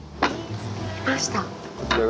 来ました。